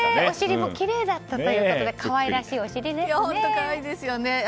お尻もきれいだったということで可愛らしいお尻ですね。